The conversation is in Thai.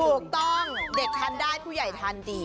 ถูกต้องเด็กทานได้ผู้ใหญ่ทานดี